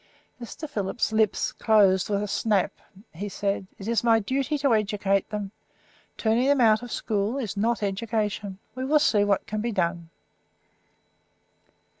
Mr. Philip's lips closed with a snap. He said, "It is my duty to educate them; turning them out of school is not education. We will see what can be done."